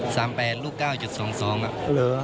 ถามจริง